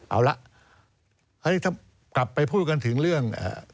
เอาละเฮ้ยถ้ากลับไปพูดกันถึงเรื่อง